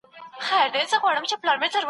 زه اوږده وخت ليکنه کوم وم.